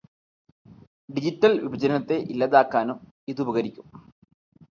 Digital വിഭജനത്തെ ഇല്ലാതാക്കാനും ഇതുപകരിക്കും.